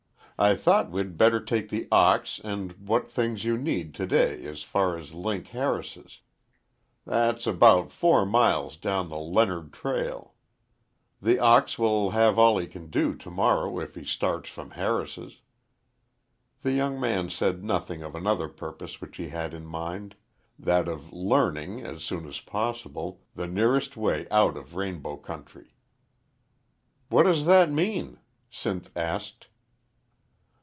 "I thought we'd better take the ox and what things you need to day as far as Link Harris's. That's about four miles down the Leonard trail. The ox will have all he can do to morrow if he starts from Harris's." The young man said nothing of another purpose which he had in mind that of learning, as soon as possible, the nearest way out of the Rainbow country. "What does that mean?" Sinth asked.